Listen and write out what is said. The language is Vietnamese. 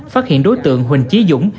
phát hiện đối tượng huỳnh chí dũng